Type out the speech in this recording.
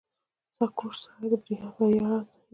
• سختکوش سړی د بریا راز پېژني.